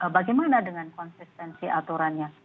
bagaimana dengan konsistensi aturannya